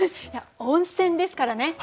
いや「温泉」ですからね。